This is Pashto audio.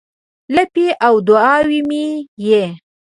لپې او دوعا مې یې